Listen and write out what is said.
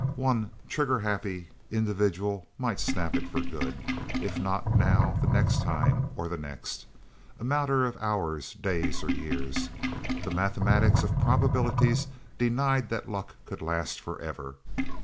One trigger happy individual might snap it for good. If not now, the next time, or the next. A matter of hours, days, or years. The mathematics of probabilities denied that luck could last forever.